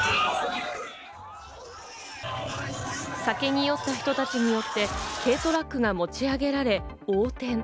酒に酔った人たちによって軽トラックが持ち上げられ、横転。